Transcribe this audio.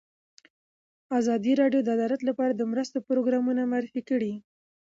ازادي راډیو د عدالت لپاره د مرستو پروګرامونه معرفي کړي.